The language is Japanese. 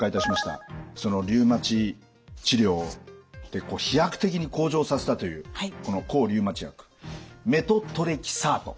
そのリウマチ治療で飛躍的に向上させたというこの抗リウマチ薬メトトレキサート